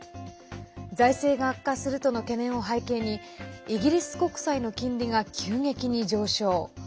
財政が悪化するとの懸念を背景にイギリス国債の金利が急激に上昇。